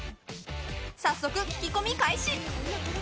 早速、聞き込み開始！